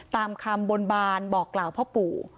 ตามคำบนบานบอกกล่าวพ่อปู่